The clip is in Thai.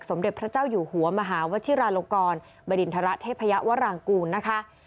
เด็จพระเจ้าอยู่หัวมหาวชิราลงกรบริณฑระเทพยวรางกูลนะคะ